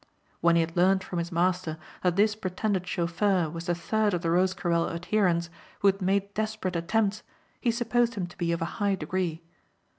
When he had learned from his master that this pretended chauffeur was the third of the Rosecarrel adherents who had made desperate attempts he supposed him to be of high degree.